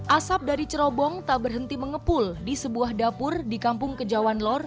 asap dari cerobong tak berhenti mengepul di sebuah dapur di kampung kejawan lor